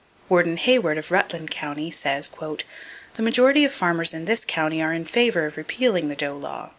Warden Hayward of Rutland County says: "The majority of the farmers in this county are in favor of repealing the doe law....